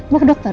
mau ke dokter